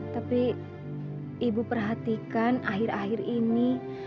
tapi ibu perhatikan akhir akhir ini